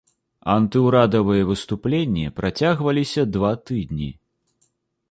Антыўрадавыя выступленні працягваліся два тыдні.